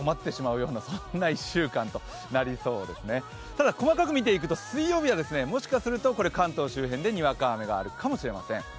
ただ、細かく見ていくと水曜日はもしかすると関東周辺でにわか雨があるかもしれません。